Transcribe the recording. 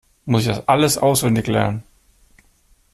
Muss ich das alles auswendig lernen?